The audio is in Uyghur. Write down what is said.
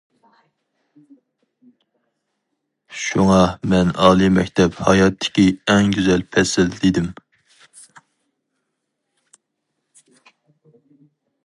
شۇڭا مەن ئالىي مەكتەپ ھاياتتىكى ئەڭ گۈزەل پەسىل دېدىم.